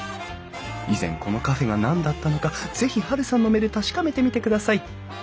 以前このカフェが何だったのかぜひハルさんの目で確かめてみてください。